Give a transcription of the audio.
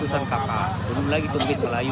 belum lagi tumbit melayu